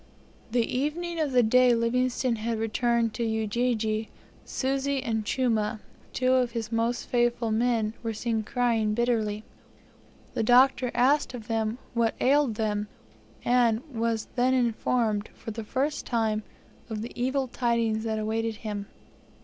The evening of the day Livingstone had returned to Ujiji, Susi and Chuma, two of his most faithful men, were seen crying bitterly. The Doctor asked of them what ailed them, and was then informed, for the first time, of the evil tidings that awaited him.